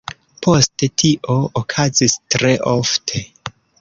Poste, tio okazis tre ofte.